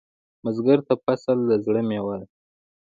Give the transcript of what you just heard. بزګر ته فصل د زړۀ میوه ده